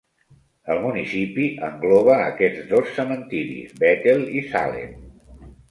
El municipi engloba aquests dos cementiris: Bethel i Salem.